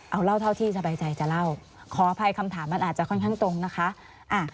เอาเล่าเท่าที่สบายใจจะเล่าขออภัยคำถามมันอาจจะค่อนข้างตรงนะคะ